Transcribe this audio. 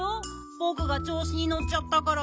ぼくがちょうしにのっちゃったから。